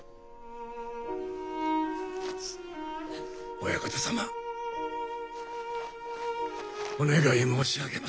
お屋形様お願い申し上げまする。